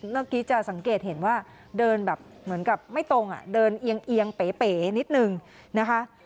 เมื่อกี้จะสังเกตเห็นว่าเดินแบบเหมือนกับไม่ตรงอ่ะเดินเอียงเป๋นิดนึงนะคะ